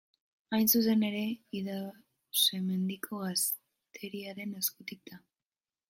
Hain zuzen ere, Idauze-Mendiko gazteriaren eskutik da.